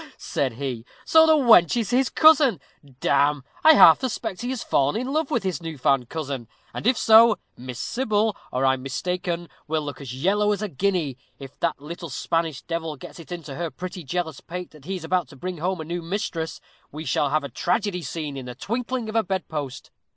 said he. "So the wench is his cousin. Damme, I half suspect he has fallen in love with his new found cousin; and if so, Miss Sybil, or I'm mistaken, will look as yellow as a guinea. If that little Spanish devil gets it into her pretty jealous pate that he is about to bring home a new mistress, we shall have a tragedy scene in the twinkling of a bed post.